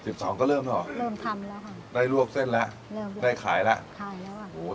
สิบสองก็เริ่มใช่หรอเริ่มทำแล้วค่ะได้ลวกเส้นแล้วเริ่มได้ขายแล้วขายแล้วค่ะ